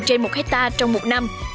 trên một hectare trong một năm